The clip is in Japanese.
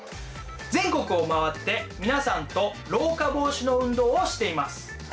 全国を回って皆さんと老化防止の運動をしています。